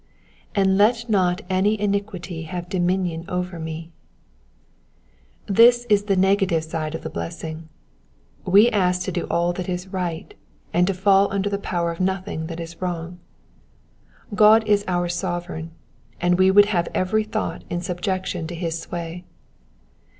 ^^And let not any iniquity have dominion over me,'''' This is the negative side of the blessing. We ask to do all that is right, and to fall under the power of nothing that is wrong. God is our sovereign, and we would have every thought in subjection to his sway.